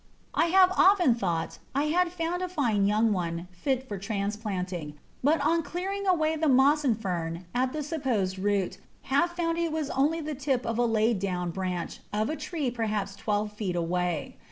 I have often thought I had found a fine young one fit for transplanting, but on clearing away the moss and fern at the supposed root have found that it was only the tip of a laid down branch of a tree perhaps twelve feet away.